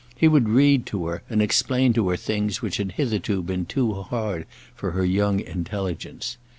He would read to her, and explain to her things which had hitherto been too hard for her young intelligence.